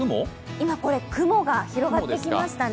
今これ、雲が広がってきましたね